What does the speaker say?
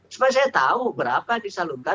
supaya saya tahu berapa disalurkan